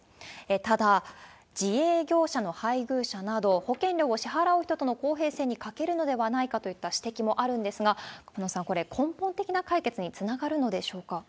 ただ、自営業者の配偶者など、保険料を支払う人との公平性に欠けるのではないかといった指摘もあるんですが、熊野さん、これ、根本的な解決につながるんでしょうか？